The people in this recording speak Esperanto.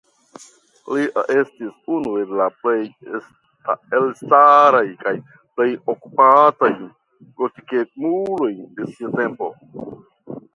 Li estis unu el la plej elstaraj kaj plej okupataj gotikemuloj de sia tempo.